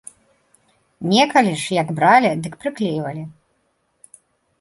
Некалі ж, як бралі, дык прыклейвалі.